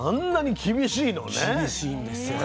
厳しいんですよね。